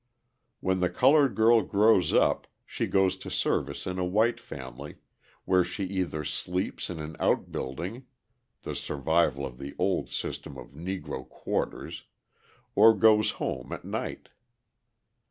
When the coloured girl grows up, she goes to service in a white family, where she either sleeps in an outbuilding (the survival of the old system of Negro "quarters") or goes home at night.